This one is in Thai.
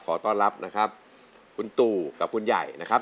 ขอต้อนรับนะครับคุณตู่กับคุณใหญ่นะครับ